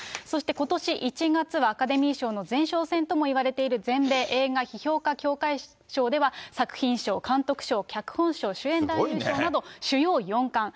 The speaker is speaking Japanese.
そしてことし１月はアカデミー賞の前哨戦ともいわれている全米映画批評家協会賞では、作品賞、監督賞、脚本賞、主演男優賞など、主要４冠。